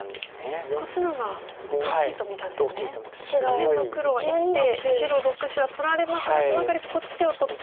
下辺の黒は生きて白６子は取られますがそのかわりこっちを取って。